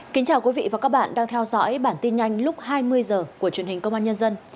kính chào quý vị và các bạn đang theo dõi bản tin nhanh lúc hai mươi h của truyền hình công an nhân dân